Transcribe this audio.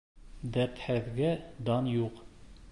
Дәртһеҙгә дан юҡ.